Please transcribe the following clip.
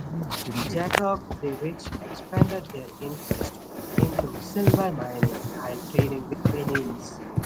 Jakob the Rich expanded their interests into silver mining and trading with Venice.